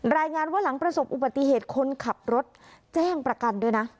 รายงานว่าหลังประสบอุบัติเหตุคนขับรถแจ้งประกันด้วยนะ